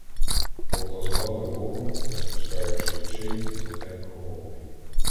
Поплазували боком, не спускаючи очей із близенького обрію.